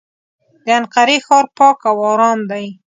د انقرې ښار پاک او ارام دی.